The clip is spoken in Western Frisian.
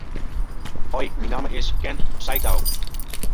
Hoi, myn namme is Ken Saitou.